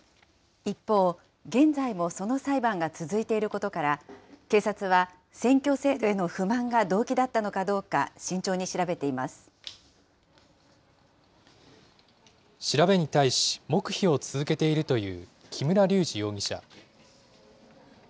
一方、現在もその裁判が続いていることから、警察は選挙制度への不満が動機だったのかどうか、慎重に調べてい調べに対し、黙秘を続けているという木村隆二容疑者。